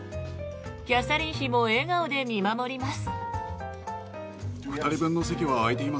キャサリン妃も笑顔で見守ります。